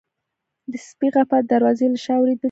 د سپي غپا د دروازې له شا اورېدل کېږي.